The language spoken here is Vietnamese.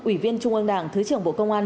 ủy viên trung ương đảng thứ trưởng bộ công an